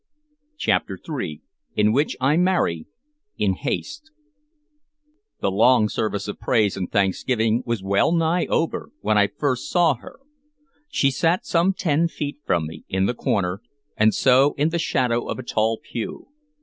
CHAPTER III IN WHICH I MARRY IN HASTE THE long service of praise and thanksgiving was well nigh over when I first saw her. She sat some ten feet from me, in the corner, and so in the shadow of a tall pew.